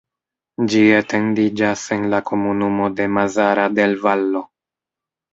Ĝi etendiĝas en la komunumo de Mazara del Vallo.